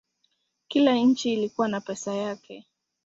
Kila nchi ilikuwa na pesa yake.